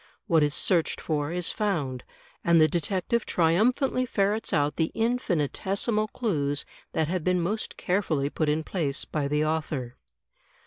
What is searched for is found, and the detective triumphantly ferrets out the infinitesimal clues that have been most carefully put in place by the author.